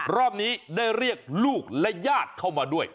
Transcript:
รอบนี้ได้เรียกลูกและญาติเข้ามาด้วย